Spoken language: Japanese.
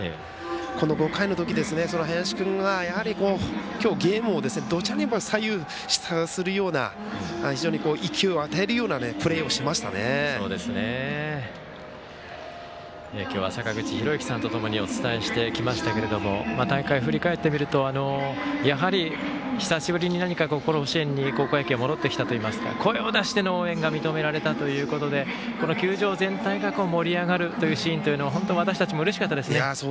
この５回のとき林君が今日、ゲームに左右するような勢いを与えるような今日は坂口裕之さんとともにお伝えしてきましたけど大会、振り返ってみるとやはり久しぶりに何か甲子園に高校野球が戻ってきたといいますか声を出しての応援が認められたということで球場全体が盛り上がるシーンは私たちもうれしかったですね。